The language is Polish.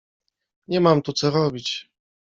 Nie mam tu co robić.